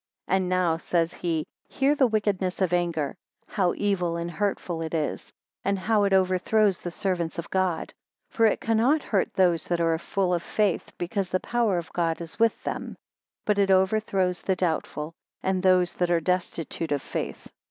11 And now, says he, hear the wickedness of anger; how evil and hurtful is is, and how it overthrows the servants of God; for it cannot hurt those that are full of faith because the power of God is with them; but it overthrows the doubtful, and those that are destitute of faith.